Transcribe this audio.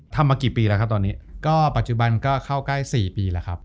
มากี่ปีแล้วครับตอนนี้ก็ปัจจุบันก็เข้าใกล้๔ปีแล้วครับ